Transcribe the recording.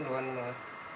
này cũng không về được đâu